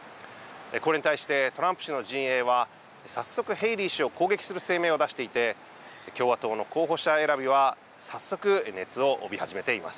これに対してトランプ氏の陣営は早速ヘイリー氏を攻撃する声明を出していて共和党の候補者選びは早速、熱を帯び始めています。